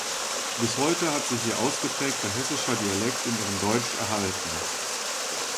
Bis heute hat sich ihr ausgeprägter hessischer Dialekt in ihrem Deutsch erhalten.